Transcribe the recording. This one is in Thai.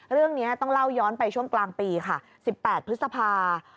เรื่องนี้ต้องเล่าย้อนไปช่วงกลางปีค่ะ๑๘พฤษภา